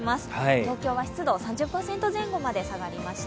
東京は湿度３０％前後まで下がりました。